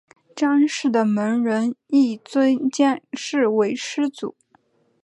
章氏的门人亦尊蒋氏为师祖。